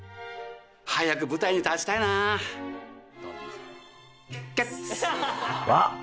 早く舞台に立ちたいなぁ。